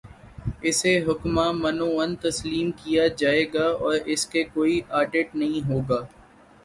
اسے حکما من و عن تسلیم کیا جائے گا اور اس کا کوئی آڈٹ نہیں ہو گا۔